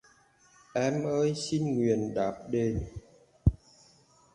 Ơn em xin nguyện đáp đền